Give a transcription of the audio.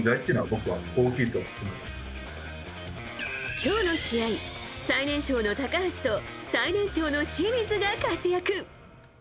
今日の試合、最年少の高橋と最年長の清水が活躍。